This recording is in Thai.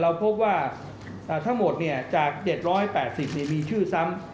พบว่าทั้งหมดจาก๗๘๐มีชื่อซ้ำ